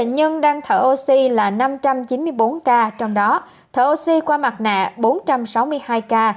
nhân đang thở oxy là năm trăm chín mươi bốn ca trong đó thở oxy qua mặt nạ bốn trăm sáu mươi hai ca